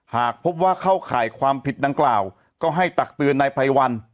หากพบว่าเข้าข่ายความผิดดังกล่าวก็ให้ตักเตือนนายไพรวัน